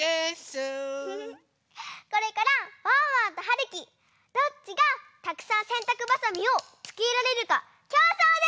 これからワンワンとはるきどっちがたくさんせんたくばさみをつけられるかきょうそうです！